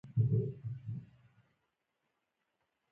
افغانستان د پامیر د ځانګړتیاوو له مخې په نړۍ پېژندل کېږي.